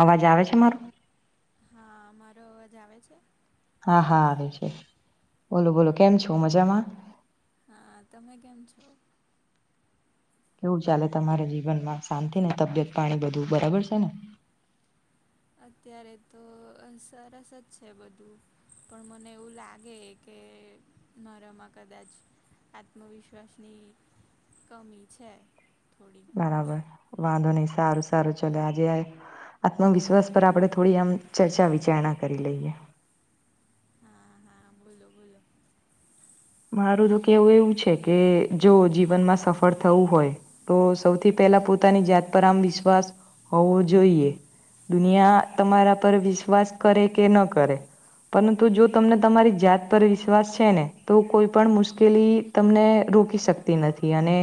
અવાજ આવે છે મારો. હા અમારો અવાજ આવે છે. હા હા આવે છે બોલો બોલો કેમ છો મજામાં. હા તમે કેમ છો. કેવું ચાલે તમારે જીવનમાં શાંતિ ને તબિયત પાણી બધું બરાબર છે ને. અત્યારે તો સરસ જ છે બધું. પણ મને એવું લાગે કે મારામાં કદાચ આત્મવિશ્વાસ ની કમી છે થોડી. બરાબર વાંધો નહી સારું સારું ચલે આજે એ આત્મવિશ્વાસ પર આપણે થોડી આમ ચર્ચા વિચારણા કરી લઈએ. હા હા બોલો બોલો મારું તો કેવું એવું છે કે જો જીવનમાં સફળ થવું હોય. તો સૌથી પહેલા પોતાની જાત પર આમ વિશ્વાસ હોવો જોઈએ. દુનિયા તમારા પર વિશ્વાસ કરે કે ન કરે. પરંતુ જો તમને તમારી જાત પર વિશ્વાસ છે ને તો કોઈ પણ મુશ્કેલી તમને રોકી શકતી નથી અને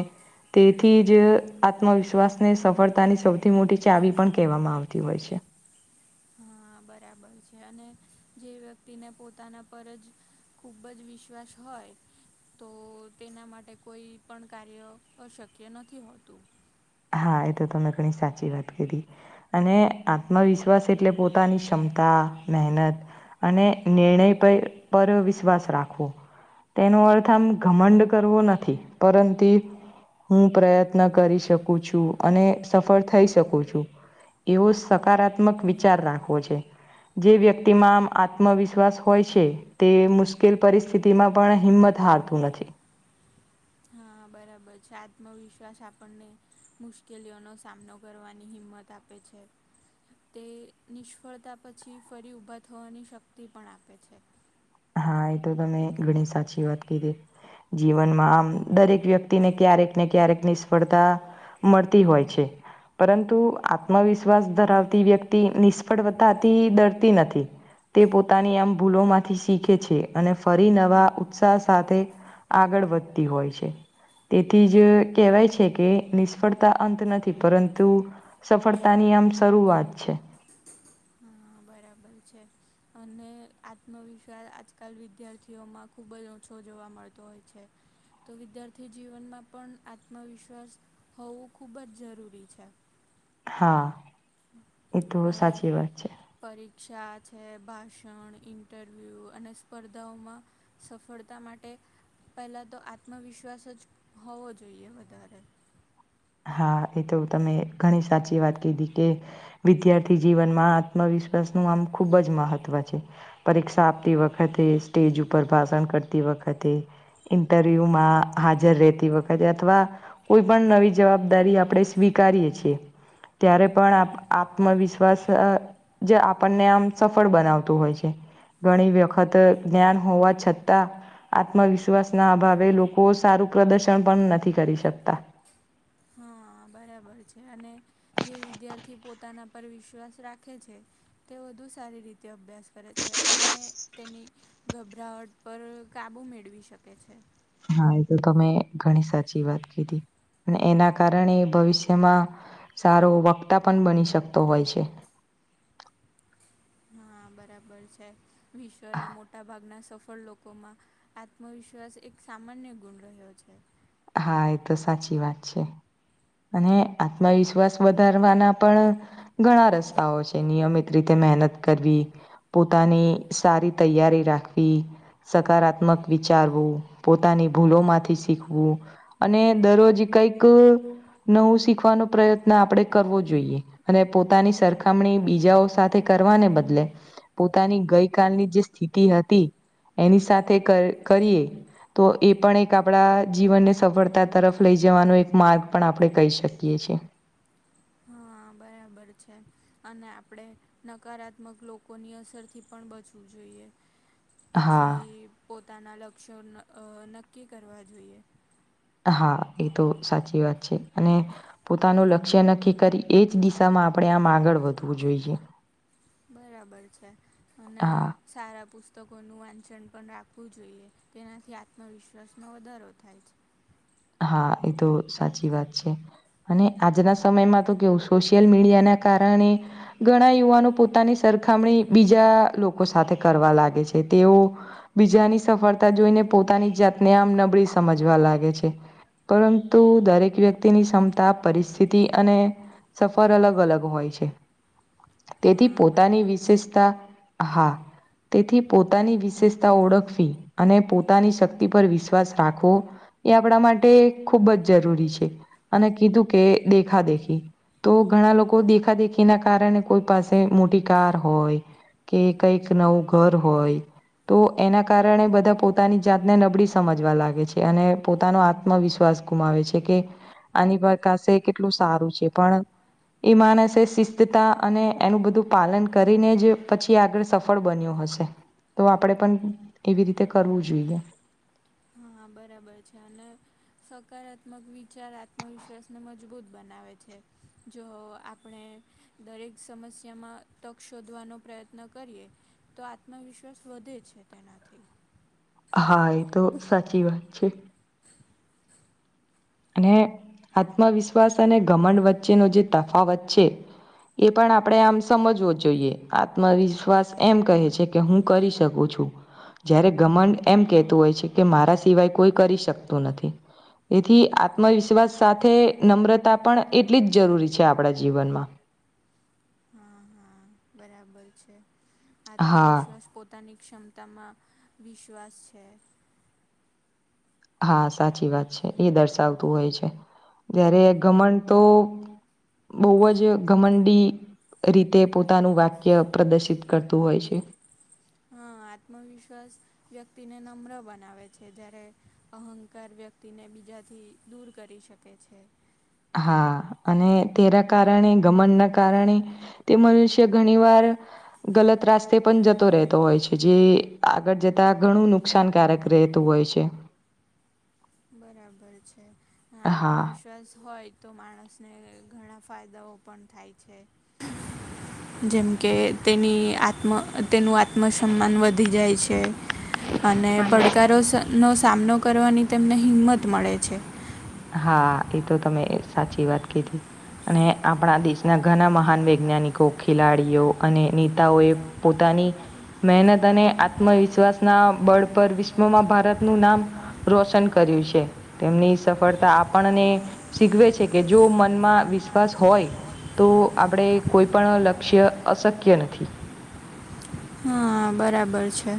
તેથી જ આત્મવિશ્વાસને સફળતાની સૌથી મોટી ચાવી પણ કહેવામાં આવતી હોય છે. હા બરાબર છે અને જે વ્યક્તિને પોતાના પર જ ખુબ જ વિશ્વાસ હોય. તો તેના માટે કોઈ પણ કાર્ય અશક્ય નથી હોતું. હા એ તો તમેં ઘણી સાચી વાત કીધી. અને આત્મવિશ્વાસ એટલે પોતાની ક્ષમતા મહેનત અને નિર્ણય પર પર વિશ્વાસ રાખવો. તેનો અર્થ આમ ઘમંડ કરવો નથી પરંતુ હું પ્રયત્ન કરી શકું છું અને સફળ થઈ શકું છું. એવો સકારાત્મક વિચાર રાખવો છે. જે વ્યક્તિમાં આમ આત્મવિશ્વાસ હોય છે. તે મુશ્કેલ પરિસ્થિતિ માં પણ હિંમત હારતું નથી. હા બરાબર છે આત્મવિશ્વાસ આપણને મુશ્કેલીઓનો સામનો કરવાની હિંમત આપે છે. હ તે નિષ્ફળતા પછી ફરી ઊભા થવાની શક્તિ પણ આપે છે. હા એ તો તમે ઘણી સાચી વાત કીધી જીવનમાં આમ દરેક વ્યક્તિને ક્યારેક ને ક્યારેક નિષ્ફળતા મળતી હોય છે. પરંતુ આત્મવિશ્વાસ ધરાવતી વ્યક્તિ નિષ્ફળવતાથી ડરતી નથી. તે પોતાની આમ ભૂલો માંથી શીખે છે અને ફરી નવા ઉત્સાહ સાથે આગળ વધતી હોય છે. તેથી જ કહેવાય છે, કે નિષ્ફળતા અંત નથી પરંતુ સફળતા ની આમ શરૂઆત છે. પ છે. અને આત્મવિશ્વાસ આજકાલ વિદ્યાર્થીઓમાં ખૂબ જ ઓછો જોવા મળતો હોય છે. તો વિદ્યાર્થી જીવનમાં પણ આત્મવિશ્વાસ હોવું ખુબ જ જરૂરી છે. હા એ તો હવે સાચી વાત છે. પરીક્ષા છે ભાષણ ઇન્ટરવ્યુ અને સ્પર્ધાઓમા સફળતા માટે પહેલા તો આત્મવિશ્વાસ જ હોવો જોઈએ વધારે હા એ તો તમે ઘણી સાચી વાત કીધી કે વિદ્યાર્થી જીવનમા આત્મવિશ્વાસનું આમ ખૂબ જ મહત્ત્વ છે. પરીક્ષા આપતી વખતે સ્ટેજ ઉપર ભાષણ કરતી વખતે ઇન્ટરવ્યુ માં હાજર રહેતી વખતે અથવા કોઈ પણ નવી જવાબદારી આપણે સ્વીકારએ છીએ ત્યારે પણ આત્મવિશ્વાસ જે આપણને આમ સફળ બનાવતું હોય છે. ઘણી વખત જ્ઞાન હોવા છતા. આત્મવિશ્વાસ ના અભાવે લોકો સારું પ્રદર્શન પણ નથી કરી શકતા હા બરાબર છે અને જે વિદ્યાર્થી પોતાના પર વિશ્વાસ રાખે છે. તે વધુ સારી રીતે અભ્યાસ કરે છે, અને તેની ગભરાવટ પર કાબુ મેળવી શકે છે. હા એ તો તમે ઘણી સાચી વાત કીધી અને એના કારણે ભવિષ્યમા સારો વક્તા પણ બની શકતો હોય છે. હા બરાબર છે વિશ્વના મોટા ભાગના સફળ લોકોમા આત્મવિશ્વાસ એક સામાન્ય ગુણ રહ્યો છે. હા એ તો સાચી વાત છે. અને આત્મવિશ્વાસ વધારવાના પણ ઘણા રસ્તાઓ છે, નિયમિત રીતે મહેનત કરવી પોતાની સારી તૈયારી રાખવી સકારાત્મક વિચારવું પોતાની ભૂલો માંથી શીખવુ અને દરરોજ કંઈક નવું શીખવાનો પ્રયત્ન આપણે કરવો જોઈએ. અને પોતાની સરખામણી બીજાઓ સાથે કરવાને બદલે પોતાની ગઈ કલની જે સ્થિતિ હતી એની સાથે કરીએ તો એ પણ એક આપણા જીવનને સફળતા તરફ લઈ જવાનો એક માર્ગ પણ આપણે કહી શકીએ છીએ. કર છે. અને આપણે નકારાત્મક લોકોની અસરથી પણ બચવું જોઈએ. હા પછી પોતાના લક્ષ્યો નક્કી કરવા જોઈએ. હા એ તો સાચી વાત છે, અને પોતાનું લક્ષ્ય નક્કી કરી એ જ દિશામાં આપણે આમ આગળ વધવું જોઈએ. બરાબર છે, અને હા સારા પુસ્તકોનું વાંચન પણ રાખવું જોઈએ તેનાથી આત્મવિશ્વાસમાં વધારો થાય છે. હા એ તો સાચી વાત છે. અને આજના સમયમાં તો કેવું સોશિયલ મીડિયાના કારણે ઘણા યુવાનો પોતાની સરખામણી બીજા લોકો સાથે કરવા લાગે છે તેઓ બીજાની સફળતા જોઈને પોતાની જાતને આમ નબળી સમજવા લાગે છે. પરંતુ દરેક વ્યક્તિની ક્ષમતા પરિસ્થિતિ અને સફર અલગ અલગ હોય છે તેથી હા પોતાની બરાબર છે વિશેષતા હા તેથી પોતાની વિશેષતા ઓળખવી અને પોતાની શક્તિ પર વિશ્વાસ રાખવો એ આપણા માટે ખૂબ જ જરૂરી છે અને કીધું કે દેખા દેખી તો ઘણા લોકો દેખા દેખી ના કારણે કોઈ પાસે મોટી કાર હોય કે કઈક નવું ઘર હોય તો એના કારણે બધા પોતાની જાતને નબળી સમજવા લાગે છે અને પોતાનો આ ત્મવિશ્વાસ ગુમાવે છે કે આની પ્રકાસે કેટલું સારું છે પણ એ માણસે શિસ્તતા અને એનું બધું પાલન કરીને જ પછી આગળ સફ સફળ બન્યો હશે તો આપણેે પણ એવી રીતે કરવું જોઈએ. હા બરાબર છે અને સકારાત્મક વિચાર આત્મવિશ્વાસને મજબૂત બનાવે છે જો આપણે દરેક સમસ્યામાં તક શોધવાનો પ્રયત્ન કરીએ તો આત્મવિશ્વાસ વધે છે તેનાથી હા એ તો સાચી વાત છે. અને આત્મવિશ્વાસ અને ઘમંડ વચ્ચેનો જે તફાવત છે. એ પણ આપણેે આમ સમજવો જ જોઈએ આત્મવિશ્વાસ એમ કહે છે, કે હું કરી શકું છું. જ્યારે ઘમંડ એમ કહેતું હોય છે કે મારા સિવાય કોઈ કરી શકતું નથી. થી આત્મવિશ્વાસ સાથે નમ્રતા પણ એટલી જ જરૂરી છે આપણા જીવનમાં. હા હા બરાબર છે હા આત્મવિશ્વાસ પો તાની ક્ષમતામાં વિશ્વાસ છે. હા સાચી વાત છે એ દર્શાવતું હોય છે જયારે ઘમંડ તો બહુ અ જ ઘમંડી રીતે પોતાનું વાક્ય પ્રદર્શિત કરતું હોય છે. હા આત્મવિશ્વાસ વ્યક્તિને નમ્ર બનાવે છે, જ્યારે અહંકાર વ્યક્તિને બીજાથી દૂર કરી શ કે છે. હા અને તેના કારણે ગમનના કારણે તે મનુષ્ય ઘણી વાર ગલત રાસ્તે પણ જતો રહેતો હોય છે જે આગળ જતા ઘણું નુ કસાનકારક રહેતું હોય છે. બરાબર છે હા આત્મવિશ્વાસ હોય તો માણસને ઘણા ફાયદાઓ પણ થાય છે. [inaudible] જેમ કે તેની આત્મ તેનું આત્મસન્માન વધી જાય છે. અને પડકારો સ નો સામનો કરવાની તેમને હિંમત મળે છે. હા એ તો તમે સાચી વાત કીધી. અને આપણા દેશના ઘણા મહાન વૈજ્ઞાનિકો ખેલાડીઓ અને નેતાઓએ પોતાની મહેનત અને આત્મવિશ્વાસ ના બળ પર વિશ્વમાં ભારતનું નામ રોશન કર્યું છે તેમની સફળતા આપણને શીખવે છે કે જો મનમાં વિશ્વાસ હોય તો આપણે કોઈ પણ લક્ષ્ય અશક્ય નથી. હ બરાબર છે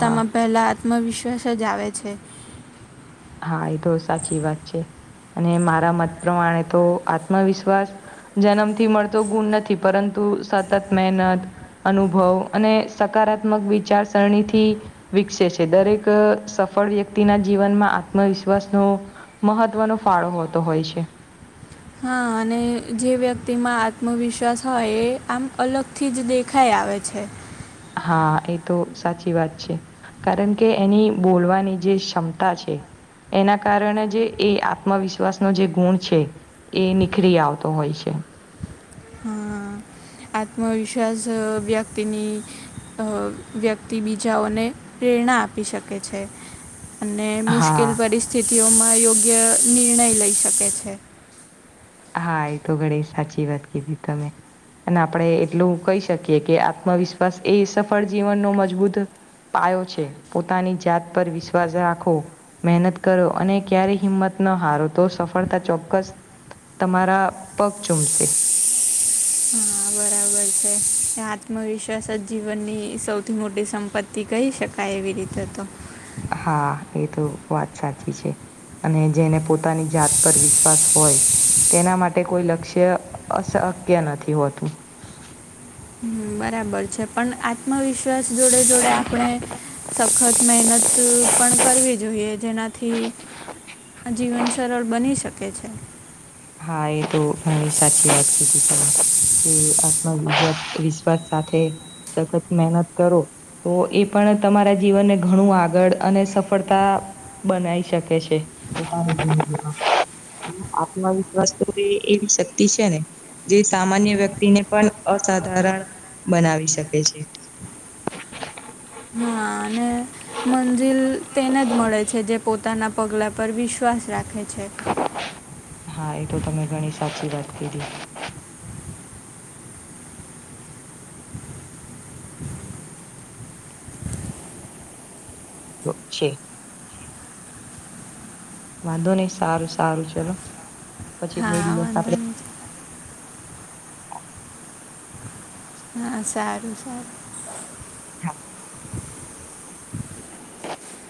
હા પહેલાં આત્મવિશ્વાસ જ આવે છે હા એ તો સાચી વાત છે અને મારા મત પ્રમાણે તો આત્મવિશ્વાસ જન્મથી મળતો ગુણ નથી પરંતુ સતત મહેનત અનુભવ અને સકારાત્મક વિચારસારીથી વિકસે છે દરેક સફળ વ્યક્તિના જીવનમાં આત્મવિશ્વાસનો મહત્વનો ફાળો હોતો હોય છે હા અને જે વ્યક્તિમાં આત્મવિશ્વાસ હોય એ આમ અલગથી જ દેખાય આવે છે હા એ તો સાચી વાત છે કારણ કે એની બોલવાની જે ક્ષમતા છે એના કારણે જે એ આત્મવિશ્વાસનો જે ગુણ છે એ નીખરી આવતો હોય છે હા આત્મવિશ્વાસ વ્યક્તિની વ્યક્તિ બીજાઓને પ્રેરણા આપી શકે છે અને મુશ્કેલ હા પરિસ્થિતિઓમાં યોગ્ય નિર્ણય લઈ શકે છે હા એ તો ઘણી સાચી વાત કીધી તમે. અને આપણે એટલું કહી શકીએ કે આત્મવિશ્વાસ એ સફળ જીવનનો મજબૂત પાર્ટ છે પોતાની જાત પર વિશ્વાસ રાખો. મહેનત કરો અને ક્યારે હિંમત ન હારો તો સફળતા ચોક્કસ તમારા પગ ચૂમશે. [inaudible] એ આત્મવિશ્વાસ જ જીવનની સૌથી મોટી સંપત્તિ કહી શકાય એવી રીતે તો. હા એ તો વાત સાચી છે. અને જેને પોતાની જાત પર વિશ્વાસ હોય. તેના માટે કોઈ લક્ષ્ય અશક્ય નથી હોતું. બરાબર છે પણ આત્મવિશ્વાસ જોડે જોડે આપણે સખત મહેનત પણ કરવી જોઈએ જેનાથી આ જીવન સરળ બની શકે છે. હા એ તો ઘણી સાચી વાત કીધી તમે કે આત્મવિશસ વિશ્વાસ સાથે સખત મહેનત કરો. તો એ પણ તમારા જીવનને ઘણું આગળ અને સફળતા. બનાઈ શકે છે આત્મવિશ વસ્તુ એ એવી શક્તિ છે ને જે સામાન્ય વ્યક્તિને પણ અસાધારણ બનાવી શકે છે. હા અને મંજિલ તેને જ મળે છે જે પોતાનાં પગલાં પર વિશ્વાસ રાખે છે. હા એ તો તમે ઘણી સાચી વાત કીધી. તો છે. વાંધો નહી સારું સારું ચલો પછી કોઈ હા દિવસ વાંધો આપડે નહીં હા સારું હા